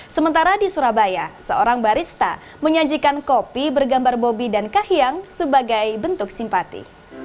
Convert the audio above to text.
sementara di surabaya seorang barista menyajikan kopi bergambar bobi dan kahiyang sebagai bentuk simpati